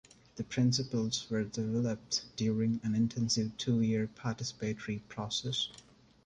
The principles were developed during an intensive two-year participatory process.